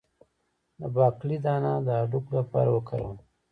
د باقلي دانه د هډوکو لپاره وکاروئ